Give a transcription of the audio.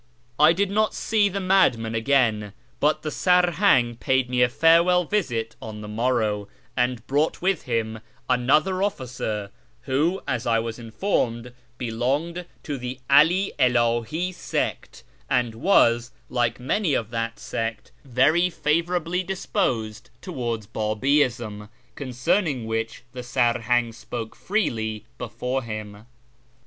I did not see " the Madman " again, but the Sarhang paid me a farewell visit on the morrow, and brought with him another officer, who, as I was informed, belonged to the 'Ali Ilahi sect, and was, like many of that sect, very favourably YEZD 409 disposed towards Babiism, coucerning which the Sarhang spoke freely before him.